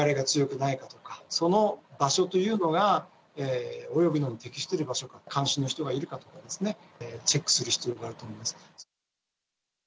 その場所というのが泳ぐのに適している場所か監視の人がいるかとかチェックする必要があると思います。